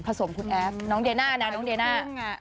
ผสมคุณแอบน้องเดยน่า